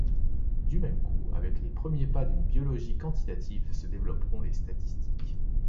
Du même coup, avec les premiers pas d’une biologie quantitative se développeront les statistiques.